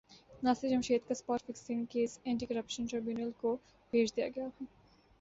ناصر جمشید کا spot fixing case anti corruption tribunal کو بھیج دیاگیا